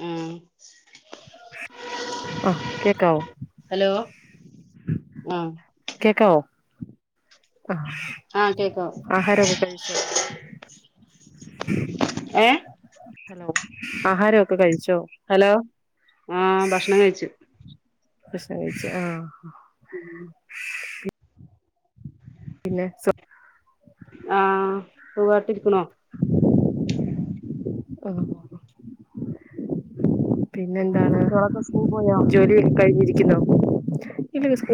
ഉം ആഹ് കേക്കാവ ആഹ കേക്കാവോ ആ ആഹ് കേക്കാം ആഹാരൊക്കെ കഴിച്ചോ ഏഹ് ഹലോ ആഹാരമൊക്കെ കഴിച്ചു ഹലോ ആഹ ഭക്ഷണം കഴിച്ചു പ്രസ ആഹ ഉം ഉ ആഹ ഉ കാാട്ടിരിക്കണോ ആഹ പിന്നെന്താണ് കുട്ടികളൊക്കെ സ്കൂളിൽ പോയോ ജോലി കഴിഞ്ഞിരിക്കുന്നോ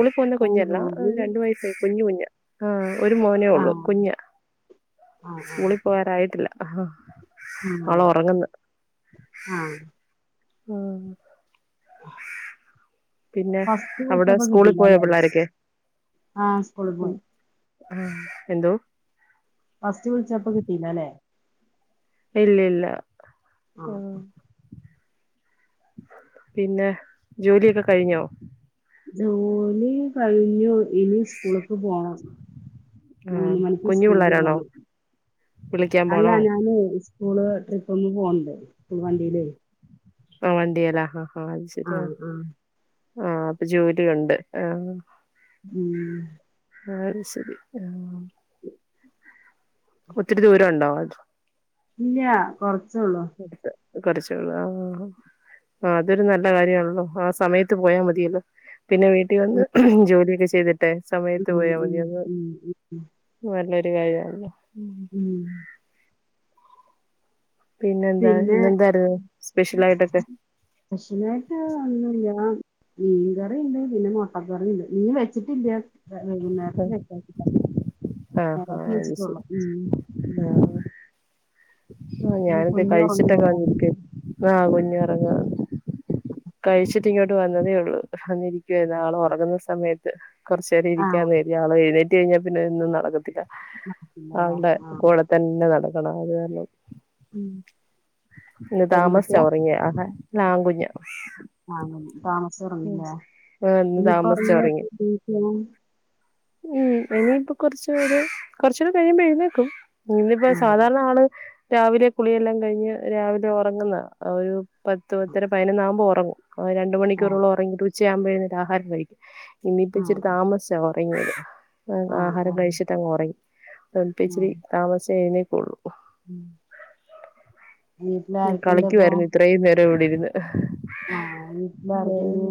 ഉളി പോകുന്ന ആഹ് കുഞ്ഞല്ല ജോലി രണ്ട വയസായി കുഞ്ഞഞ് കുഞ്ഞ് ഒരു മോനേ ഉള്ളു ആഹ് കുഞ്ഞ സ്ൂളിൽ പോകറായിട്ടില്ല ഉം ആഹ ആഹ [unintelligible] പിന്നെ ഫസ്റ്റ് അവിടെ വിളിച്ചപ്പോ സ്കൂളിൽ പോയോ കിട്ടിയില്ലല്ലേ പിള്ളോരൊക്കെ. ആഹ് സ്കൂളിൽ പോയി ആ എന്തോ ഫസ്റ്റ് വിളിച്ചപ്പ കിട്ടീല്ലല്ലേ. ഇല്ല ഇല്ല ആഹ് [inaudible] പിന്നെ ജോലിയൊക്കെ കഴിഞ്ഞോ ജോലി കഴിഞ്ഞു. ഇനി സ്കൂളക്ക് പോണം ആഹ് മൂന്ന് മണിക്ക് കുഞ്ഞു സ്കൂളിക്ക് പിള്ളേരാണോ പോണം വിളിക്കാൻ അല്ല പോണോ ഞാന് സ്കൂള് ട്രിപ്പ് ഒന്ന് പോണ്ട് സ്കൂൾ വണ്ടിയില് ആ വണ്ടിയേലാ ആ ഹ ഹ അത് ശരിയാ ആഹ് ആ അപ്പൊ ജോലിയുണ്ട് ആ ഉം [unintelligible] ശരി ആ ആ ഒത്തിരി ദൂരം ഉണ്ടാവോ അത് ഇല്ല കൊറച്ച് [inaudible] കുറച്ചോള് ആ ആ അതൊരു നല്ല കാര്യമാണല്ലോ ആ സമയത്ത് പോയാ മതിയല്ലോ. പിന്നെ വീട്ടിൽ വന്ന് ഉം ജോലിയൊക്കെ ചെയ്തിട്ടെ സമയത്ത് ഉം പോയാൽ ഉം മതി ഒന്ന് ഉം ഉം നല്ലൊ രു കാര്യാണല്ലോ ഉം പിന്നെ എന്താ ഇന്നെന്തായിരുന്നു സ്പെഷ്യൽ ആയിട്ടൊക്കെ ക്ഷ്യലായിട്ട് ന്നും ല്ലാ മീൻകറിണ്ട് പിന്നെ മുട്ടക്കറുണ്ട് നീ വെച്ചിട്ടില്ല വൈകുന്നേരത്ത്‌ [unintelligible] ആഹ് ആ അത് ശരി ശ് ഉം ആ ആ ഇനി ഞാന് കുഞ്ഞ് ഉറങ്ങ്യാലെ ആഹ കുഞ്ഞു ഉറങ്ങാന്ന് കഴിച്ചിട്ട് ചിങ്ങോട്ട് വന്നതേ ഉള്ളൂ വന്നിരിക്കുവാരുന്നു ആള് ഉറങ്ങുന്ന സമയത്ത് കുറച്ച് നേരം ആഹ് ഇരിക്കാന്ന് കരുതി ആള് എഴുന്നേ റ്റ് കഴിഞ്ഞാൽ പിന്നെ ഇന്നും നടക്കത്തില്ല. ഇല്ലല്ലേ ആളുടെ ആഹ് കൂടെ തന്നെ നടക്കണം അത് കാരണം പിന്നെ പെൺകുട്ടിയാ താമസിച്ച ഉറങ്ങിയ ആഹ ലാകുഞ്ഞ ആ താമസിച്ചുറങ്ങില്ലേ ഇന്ന് ഇനിയിപ്പറ താമസിച്ചാ ഉറങ്ങിയെ ങ്ങിയ [inaudible] ഉം ഇനി ഇപ്പൊ കുറച്ചര് കുറച്ചൂടെ കഴിയുമ്പോ എഴുന്നേക്കും ഇന്നിപ്പോ ആഹ് സാധാരണ ആള് രാവിലെ കുളിയെല്ലാം കഴിഞ്ഞ് രാവിലെ ഉറങ്ങുന്ന ഒരു പത്ത് പത്തര പതിനൊന്നാകുമ്പോൾ ഉറങ്ങും രണ്ടു ആഹ് മണിക്കൂറോളം ഉറങ്ങിട്ട് ഉച്ചയാകുമ്പോ എഴുന്നേറ്റ് ആഹാരം കഴിക്കും. ഇന്നിപ്പ ആഹ് ഇച്ചിരി താമസിച്ചാ ഉറങ്ങിയത് അ ആഹ് ആഹാരം ആഹ് കഴിച്ചിട്ട് അങ്ങ് ഉറങ്ങി. അതപ്പച്ചിരി ആഹ് താമസിച്ചേ എഴുന്നേൽ വീട്ടിലാരൊക്കെണ്ടപ്പോ കളിക്കുവാരുന്നു ഇത്രേയും നേരം ഇവിടെ ഇരുന്ന്. ആ വീട്ടിലാരൊക്കെയുണ്ട്.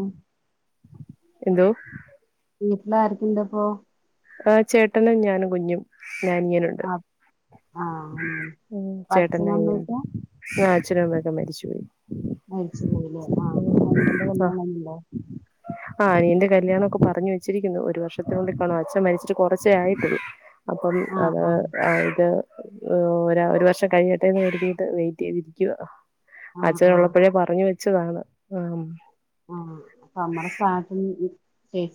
എന്തോ? വീട്ടിലാരൊക്കെ ഇണ്ടപ്പൊ? ആ്ചേട്ടനും ഞാനും കുഞ്ഞും അനിയനുണ്ട് ആഹ് ആഹ് അങ്ങനെയാണ് അപ്പൊ ചേട്ടന്റെ അച്ഛനും അനിയനുണ്ട് അമ്മയൊക്കെ പിന്നെ അ അച്ഛനുമ്മയൊക്കെ മരിച്ചുപോയി. മരിച്ചു പോയില്ലേ ആഹ് അനിയന്റെ ആ കല്യാണന്നണ്ടോ ആ അനിയന്റെ കല്യാണം ഒക്കെ പറഞ്ഞു വെച്ചിരിക്കുന്നു ഒരു വർഷത്തിനുള്ളി കാണും അച് ച്ഛൻ മരിച്ചിട്ട് കുറച്ചേ ആയിട്ടുള്ളു അപ്പം അത് ആഹ് ആഹ് അ ഇത് ഒ ഒരു വർഷം കഴിയട്ടെ എന്ന് കരു തീട്ട് വെയിറ്റ് ചെയ്തിരിക്കുവ. ആഹ് ആഹ് അച്ഛനൊള്ളപ്പോഴേ പറഞ്ഞ വെച്ചതാണ് ആ ആ അപ്പൊ അമ്മെടെ സ്ഥാനത്ത്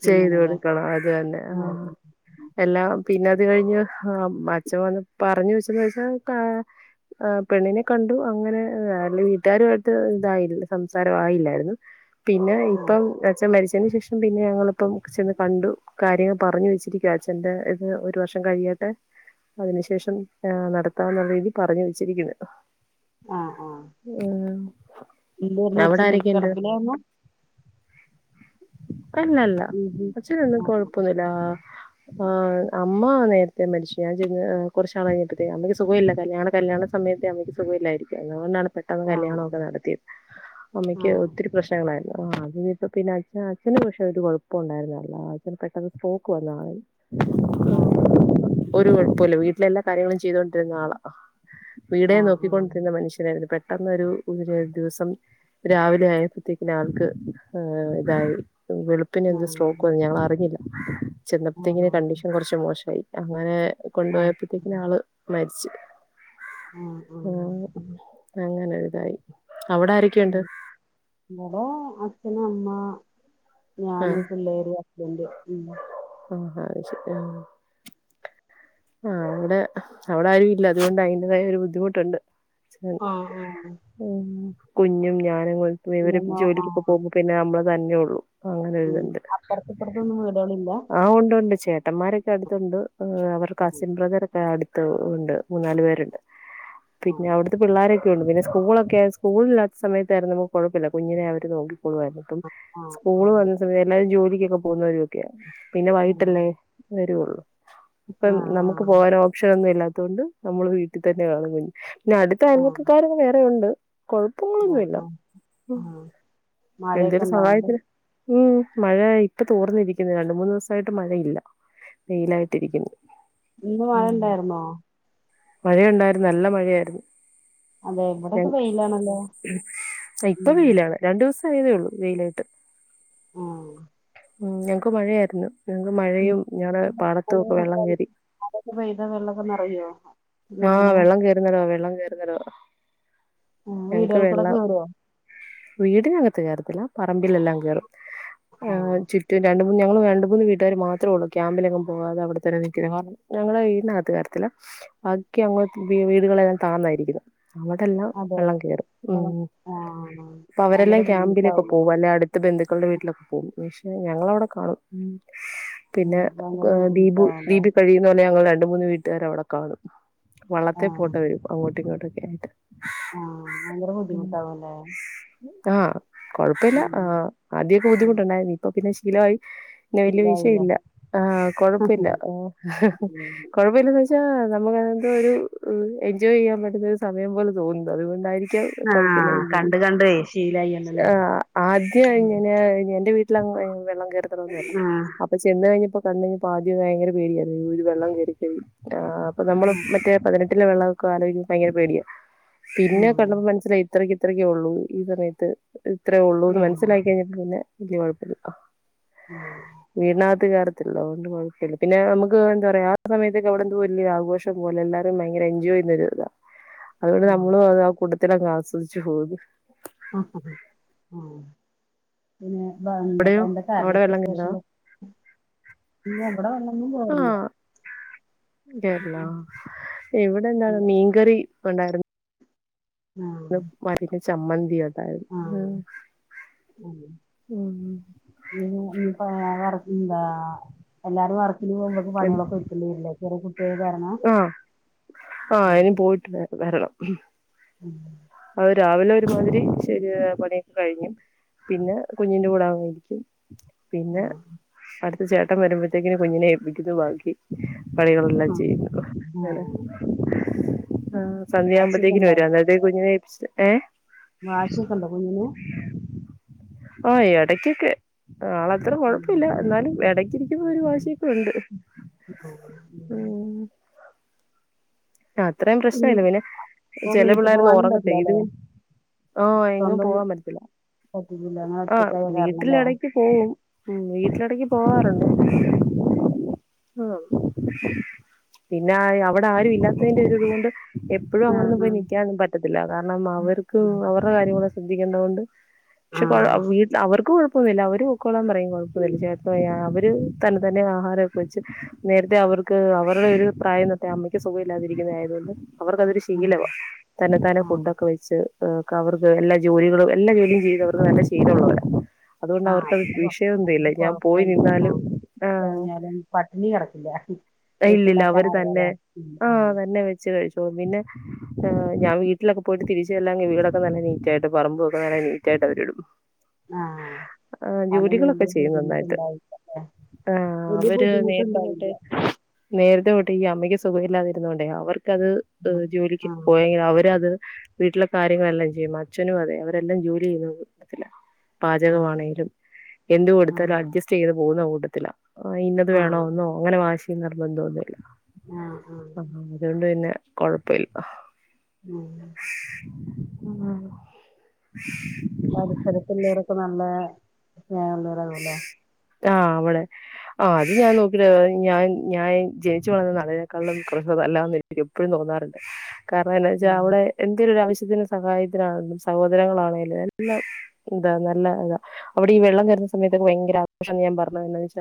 ചെയ്തു കൊടുക്കണം അത് തന്നെ ആ ആഹ് എല്ലാം പിന്ന അത് കഴിഞ്ഞ് ആ അച്ചൻ വന്ന് പറഞ്ഞു വെച്ചെന്ന് വെച്ചാ ആ പെണ്ണിനെ കണ്ടു അങ്ങനെ ആ വീട്ടുകാരുമായിട്ട് ഇതായില്ല സംസാരം ആയില്ലായിരുന്നു പിന്നെ ആഹ് ഇപ്പം അച്ചൻ മരിച്ചതിതിനു ശേഷം പിന്നെ ഞങ്ങള് അപ്പം ചെന്ന് കണ്ടു കാര്യങ്ങൾ പറഞ്ഞു വെച്ചിരിക്കുക അച്ഛന്റെ ഇത് ഒരു വർഷം കഴിയട്ടെ അതിനുശേഷം നടത്താന്നുള്ള രീതി പറഞ്ഞു വെച്ചിരിക്കുന്നു ആഹ് എന്തുവാരുന്നു അച്ചന് കിടപ്പിലായിരുന്ന അല്ല അല്ല ഉം അച്ഛന് ഒന്നും കൊഴപ്പൊന്നില്ല ആ അമ്മ നേരത്തെ മരിച്ചു ഞാൻ ജനി കുറച്ചാളു കഴിഞ്ഞപ്പതേക്കും അമ്മയ്ക്ക് സുഖമില്ല കല്യാണ കല്യാണ സമയ സമയത്തെ സുഖമില്ലാത ഇരിക്കുവാരുന്നു പെട്ടെന്ന് ആഹ് കല്യാണം ഒക്കെ ആഹ് നടത്തിയത് അമ്മയ്ക്ക് ആഹ് ഒത്തിരി പ്രശ്നങ്ങളായി ആഹ് അത് കഴിഞ്ഞപ്പ പിന്നെ അച്ഛ അച്ഛന് വിഷയ ഒരു കുഴപ്പവും ഇല്ലാരുന്നു ഇപ്പ ഉണ്ടായിരുന്നതല്ല അച്ഛന് പെട്ടെന്ന് സ്റേക്ക് വന്ന ആള ആഹ് ഒരു കുഴപ്പമില്ല വീട്ടിലെ എല്ലാ കാര്യങ്ങളും ചെയ്തൊണ്ടിരുന്ന ആളാ വീടെ ആഹ് നോക്കിക്കൊണ്ടിരുന്ന മനുഷ്യനായിരുന്നു പെട്ടെന്ന് ഒരു ദിവസം രാവിലെ ആയപ്പോത്തേക്കി ആൾക്ക് ഇതായി പിന്നെ ആഹ് എന്ത് ആഹ് സ്ട്രോക്ക്ന്നും ഞങ്ങ അറിഞ്ഞില്ല ചെന്നപ്പോത്തേക്കിെ ആഹ് കണ്ടീഷൻ കുറച്ച് മോശമായി അങ്ങനെ കൊണ്ടുപോയപ്പോത്തേക്ക് ആഹ് ആള് മരിച്ചു ആഹ് ആഹ് അ അങ്ങനെ ഒരു ഇതായി ഉം ഇവിടെ അച്ഛനും അമ്മ ആ ഞാന് പിള്ളേര് ഹസ്ബന്റ് ഉം ആഹ് ഹ അത് ശരി ആ ആ അവിടെ അവിടെ ആരും ഇല്ല അതുകൊണ്ട് അതിൻ്റെതായ ഒരു ബുദ്ധിമുട്ടുണ്ട് ആഹ് ആഹ് ഉംകുഞ്ഞും ഞാനും ഇവര് പിന്നെമ്മ ജോലിക്കൊക്ക ആഹ് പോകുമ്പോൾ പിന്നെ നമ്മള് തന്നെ ഉള്ളൂ ഉം അങ്ങനെരിതുണ്ട് അപ്പുറത്ത് ഇപ്പുറത്തൊന്നും വീടുകളില്ല ആ ഉണ്ട്ണ്ട് ചേട്ടന്മാരെക്കെ അടുത്തുണ്ട് അവർടെ ആഹ് കസിൻ ബ്രദർ ഒക്കെ അടുത്ത് ഉണ്ട് മൂന്നാല് പേരുണ്ട് പിന്നെ ആഹ് അവിടുത്തെ പിള്ളോരൊക്കെ ഒക്കെയണ്ട് പിന്നെ സ്കൂളൊക്കെ സ്‌കൂളില്ലാത്ത സമയത്തായിരുന്നു നമുക്ക് കുഴപ്പില്ല കുഞ്ഞിനെ അവര് നോക്കി ന്നിട്ടും ഇപ്പം ആഹ് സ്കൂള് ആഹ് വന്ന സമയത്ത് എല്ലാവരും ജോലിക്കൊക്കെ പോകുന്നവരും ഒക്കെയാ പിന്നെ വൈകിട്ടല്ലേ വരുള്ളൂ ഇപ്പം ആഹ് നമുക്ക് ആഹ് പോകൻ ഓപ്ഷൻ ഒന്നും ഇല്ലാത്ത കൊണ്ട് നമ്മള് വീട്ടിൽ തന്നെ കാണും കുഞ്ഞു പിന്നെ അടുത്ത ആഹ് അയൽവക്കക്കാരെക്കെ വേറെ ഉണ്ട് ആഹ് കൊഴപ്പങ്ങളൊന്നുമില്ല ആഹ് ആഹ് മഴയൊക്കെ എന്തൊരു ഉണ്ടോ അങ്ങട്ട് സഹായത്തിനു ഉം മഴ ഇപ്പ തോർന്നിരിക്കുന്നു രണ്ട് മൂന്ന് ദിവസായിട്ട് മഴയില്ല വെയിലായിട്ട് ഇരിക്കുന്നു ഇന്ന് മഴ ഇണ്ടായിരുന്നോ മഴയുണ്ടായിരുന്നു നല്ല മഴയായിരുന്നു അതെ ഇവിടെയൊക്കെ വെയിലാണല്ലോ ഇപ്പ ഉം വെയിലാണ് രണ്ടു ദിവസം തേയുള്ളു വെയിലായിട്ട് ആഹ് ഉം ഞങ്ങക്ക് മഴയായിരുന്നു ഞങ്ങക്ക് മഴയും ഞങ്ങുടെ പാടത്തും ഒക്കെ വെള്ളം കേറി അതൊക്കെ പെയ്താ വെള്ളമൊക്കെ നിറയോ ഇത് ആഹ് എങ്ങനെ വെള്ളം കയറുന്നടോ വെള്ളം കേറുന്നിടമാ ഉം വീടുകൾ ക്കൂടെ കേറുവോ വീടിനകത്ത് കയറത്തില്ല പറമ്പിലെല്ലാം കയറും ചുറ്റും രണ്ട് മൂന്ന് ഞങ്ങള് രണ്ട് മൂന്ന് വീട്ടുകാര് മാത്രേ ഉള്ളൂ ക്യാമ്പിലെന്നും പോകതെ അവിടെ തന്നെ കാരണം ഞങ്ങളെ വീടിനകത്ത് കയറത്തില്ല ബാക്കി അങ്ങോട്ട് വീടുകളെല്ലാം താന്ന ഇരിക്കുന്ന അവിടെല്ലാം അതെ വെള്ളം കയറും ഉം വെള്ളം ആഹ് അപ്പൊ ഭയങ്കര അവരെല്ലാം ക്യാമ്പിലൊക്കെ ബുദ്ധിമുട്ടാവൂലേ പോവും അല്ലെ അടുത്ത ബന്ധു മക്കളുടെ വീട്ടിലൊക്കെ പോകും പക്ഷെ ഞങ്ങള അവിടെ കാണും ഉം പിന്നെ ഭയങ്കര ദീപു ബുദ്ധിമുട്ടാവൂലേ ദീപു ഞങ്ങൾ രണ്ട് മൂന്ന് വീട്ടുകാർ അവിടെ കാണും വള്ളത്തെ പോണ്ടേ വരും അങ്ങോട്ടിങ്ങോട്ടൊക്കെ ആയിട്ട് ആ ഭയങ്കര ബുദ്ധിമുട്ടാവല്ലേ ആ കൊഴപ്പില്ല ആ ആദ്യൊക്കെ ഉം ബുദ്ധിമുട്ടുണ്ടായി ഇപ്പൊ പിന്നെ ശീലായി പിന്നെ വലിയ വിഷയല്ല ആ കൊഴപ്പില്ല ശീലായില്ലേ കൊഴപ്പില്ലാന്ന് വെച്ച നമുക്ക് അങ്ങനെ എന്തോ ഒരു എൻജോയ് ചെയ്യാൻ പറ്റുന്ന ഒരു സമയം പോലെ തോന്നുന്നു അതുകൊണ്ടായിരി കുഴപ്പില്ല ആഹ് കണ്ട് കണ്ടേ ശീലായിന്നല്ലേ ആ ആദ്യം ഞാൻ എന്റെ വീട്ടിൽ വെള്ളം കയറത്തൊന്നുല്ല ആഹ് ആഹ് അപ ചെന്ന് കഴിഞ്ഞപ്പോ ആദ്യം ഭയങ്കര പേടിയായിരുന്നു വെള്ളം കയറിയ അപ്പൊ നമ്മള് മറ്റേ പതിനെട്ട് വെള്ളം ഒക്കെ ആലോയിക്കുമ്പൊ ഭയങ്കര പേടിയാ പിന്നെ കണ്ടപ്പൊ മനസിലായി ഇത്രയ്ക്ക് ഇത്രക്കേ ഉള്ളൂ ഈ സമയത്ത് ഇത്രേ ഉള്ളൂന്ന് ഉം മനസ്സിലാക്കി കഴിഞ്ഞിട്ട് പിന്നെ വല്യ കുഴപ്പല്ല ഉം കയറത്തില്ല അതുകൊണ്ട് കൊഴപ്പല്ല പിന്നെ നമുക്ക് എന്ത പറയാ ആ സമയത്തൊക്കെ അവിടെന്തോ വല്യ ആഘോഷ പോലെ എല്ലാരും ഭയങ്കര എൻജോയ് ചെയ്യുന്ന ഒരു ഇതാ അതുകൊണ്ട് നമ്മളും ആ കൂട്ടത്തിലങ്ങ് ആസ്വദിച്ചു പോകുന്നു ആ ആ പിന്നെ എന്താണ് എന്ത കറി അവിടെ ഒക്കെ വെള്ളം കേറുന്നോ സ്പെഷ്യല് പിന്നെ ഇവിടെ വെള്ളൊന്നും കേറുല്ല ആഹ് ഇവിടെ എന്താണ് ഇല്ല മീൻകറി ഉണ്ടായിരുന്ന് [unintelligible] ചമ്മന്തിയാ ആ എന്താ എല്ലാരും വറക്കിന് പോകുമ്പക്ക് പണികളൊക്കെ ഒരുക്കിണ്ടി വരില്ലേ ചെറിയ കുട്ടിയായ കാരണം ആ ആ ഉം ഇനി പോയിട്ട് വരണം ഉം അത് രാവിലെ ഒരുമാതിരി ശെരി പണിയൊക്കെ കഴിഞ്ഞു പിന്നെ കുഞ്ഞിന്റെ കൂടെ വന്നിരിക്കും പിന്നെ ആഹ് അടുത്ത ചേട്ടൻ വരുമ്പോത്തേക്കിന് കുഞ്ഞിനെ ഏപ്പിക്കുന്നു ബാക്കി പണികളെല്ലാം ആഹ് ചെയ്യുന്നു അങ്ങെനെ ആഹ് ആ സന്ധ്യ വാശിയൊക്കെ ആകുമ്പത്തേക്കന് വരും അന്നേരത്തിന് കുഞ്ഞിനെ ഏപ്പിച്ച് ഏ വാശി ഒക്കെ ഉണ്ടാ കുഞ്ഞിന് ഓ എടക്കൊക്കെ ആള് അത്ര ഉം കൊഴപ്പല്ല എന്നാലും ഇടക്കിരിക്കുമ്പോ ഒരു ഉം വാശിയൊക്കെ ഉണ്ട് ഉം ആ അത്രേയും ഉം പ്രശ്നല്ല പിന്നെ ഇപ്പൊ ചില വീട്ടിൽ പിള്ളേരൊന്നും പോവാനും ഉറങ്ങത്തെ ഇത് പറ്റില്ലല്ലേ ആ എങ്ങും സ്വന്തം പോവാൻ പറ്റത്തില്ല പറ്റിയില്ല അങ്ങനെ ആ ഒറ്റക്കായ കാരണല്ലേ വീട്ടിലിടക്ക് പോവും ഉം വീട്ടിലിടക്ക് പോവാറുണ്ട് ആ പിന്നെ അവിടെ ആരുല്ല ഇതുകൊണ്ട് എപ്പോഴും അങ്ങനൊന്നും പോയി ആഹ് നൽക്കാനൊന്നും പറ്റത്തില്ല കാരണം അവർക്ക് അവരുടെ കാര്യങ്ങൾ ശ്രദ്ധിക്കേണ്ട കൊണ്ട് പക്ഷെ വീട്ടിൽ അവർക്ക് കുഴപ്പ കുഴപ്പല്ല അവര് പൊക്കോളാൻ പറയും കുഴപ്പല്ല അവര് തന്നെ തന്നെ ആഹാരൊക്കെ വെച്ച് നേരത്തെ അവർക്ക് അവരുടെ ഒരു പ്രായം തൊട്ടേ അമ്മക്ക് സുഖല്ല ല്ലാതിരിക്കുന്നതായത്കൊണ്ട് അവർക്കതൊരു ശീലവാ തന്നെ താനേ ഫുഡ് ആഹ് ഒക്കെ വെച്ച് അവർക്ക് എല്ലാ ജോലികളും എല്ലാ ജോലിയും ചെയ്ത് അവർക്ക് നല്ല ശീലമുള്ളവര ആ അതിന്റെ അതൊരു പോയി കൊഴപ്പില്ല ആ നിന്നാലും ആഹ് കഴിഞ്ഞാലും പട്ടിണി കിടക്കില്ല വെച്ചിണ്ടാക്കാൻ അറിയാലോ ആ ആഹ് തന്നെ വെച്ച് കഴിച്ചോളും പിന്നെ ഞാൻ വീട്ടിൽ വീട്ടിലൊക്കെ പോയിട്ട് തിരിച്ച് വീടൊക്കെ നല്ല നീറ്റ ആയിട്ട് പറമ്പൊക്കെ നല്ല നീറ്റ ആയിട്ട് അവരിടും ആഹ് ആ അതോണ്ട് ജോലികളൊക്കെ വലിയ ചെയ്യും നന്നായിട്ട് ബുദ്ധിമുട്ടുണ്ടാവില്ലല്ലേ ആ വലിയ അവര് ബുദ്ധിമുട്ടുണ്ടാവി നേര്തെതൊട്ടെ നേര്തെ ഇല്ല അമ്മക്ക് സുഖഇല്ലാതിരുന്നോണ്ടേ അവർക്കത് ആഹ് ജോലിക് ആഹ് പോയെങ്കി അവരത് വീട്ടിലെ കാര്യങ്ങളെല്ല ചെയ്യും അച്ഛനും അതെ അവരെല്ലാം ജോലിയ്യുന്നത്തില്ല പാചകമാണെലും എന്ത് കൊടുത്തലും ആഹ് അഡ്ജസ്റ്റ്യ്ത് പോവുന്ന കൂട്ടത്തിത്തില ആ ഇന്നത് ആഹ് വേണോന്നോ ങ്ങനെ വാശി നിർബന്ധന്നുല്ല ആഹ് ആഹ് ആ അതോണ്ട് പിന്നെ കൊഴപ്പല്ല ഉം അ ആ പരിസരത്തുള്ളരൊക്കെ നല്ല സ്നേഹള്ളൊരാവൊല്ലെ ആ വ്ടെ ആ അത് ഞാൻ നോക്കിണ് ഞാൻ ഞാൻ ജൻച്ചു വളർന്ന നാടിനേക്കാളും കുറച് വല്ലാന്ന് എനിക്ക് എപ്പഴും തോന്നാറ്ണ്ട് കാരണഎന്നച്ചാൽ ആഹ് അവ്ടെ എന്തരൊരു ആവശ്യ ത്തിന് സഹായത്തിനാണെന്നു സഹോദരങ്ങളാണെലും എല്ല [unintelligible] നല്ലതാ അവിടെ ഈ വെള്ളം കേർ ഇ സമയത്തക്ക വയങ്കര ആ പ്പഷ അന്ന് ഞാ മറന്ന് എന്നവെച്ച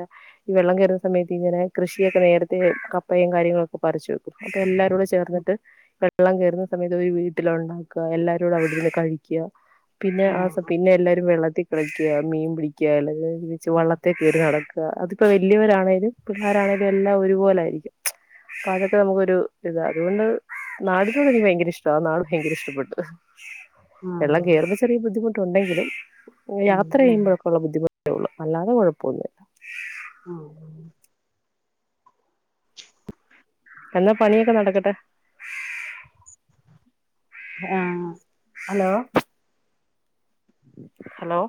ഈ വെള്ളം കേറുന്ന സമയത്ത് ഇങ്ങനെ കൃഷിയൊക്കെ നേരത്തെ കപ്പയും കാര്യങ്ങളൊക്കെ പ പറിച്ചുവെക്കും ഇന്നട്ട്എല്ലാരുടെ ചേർന്ന്ട്ട് ക വെള്ളം കേറുന്ന സമയത്ത് ഒരു വീട്ടിലാണ്ടാക്ക എല്ലാരൂടെ അവിട്ന്ന് കഴിക്യ പിന്നെ ആസം ആഹ് പിന്നെ എല്ലാരും വെള്ളത്തികളിക്ക മീൻപിടിക്ക അ [unintelligible] ച് വള്ളത്തെകേറി നടക്ക അതിപ്പോ വല്യവരാണേലും പിള്ളാരാണേലും എല്ലാ ഒരുപോലായിരിക്കും കാര്യക്കെ നമുക്കൊരു ഇതാ അതുകൊണ്ട് നാടിനോട് എനിക്ക് ഭയങ്കര ഇഷ്ട ആ നാട് ഭയങ്കര ഇഷ്ടപ്പെട്ട് ആഹ് വെള്ളം കേറുന്ന ചെറേ ബുദ്ധിമുട്ട് ഉണ്ടെങ്കില് ഉം യാത്ര ഉം ചെയ്യുമ്പഴൊക്കഉള്ള ബുദ്ധിമുട്ടൊള്ളു അല്ലാതെ കൊഴപ്പൊന്നില്ല ആ എന്നാ പണിയൊക്കെ നടക്കട്ടെ ആ അലോ ഹലോ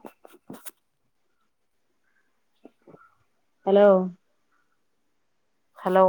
ഹെലോ ഹലോ